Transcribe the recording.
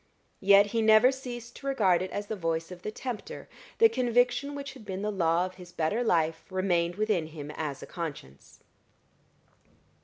Yet he never ceased to regard it as the voice of the tempter: the conviction which had been the law of his better life remained within him as a conscience.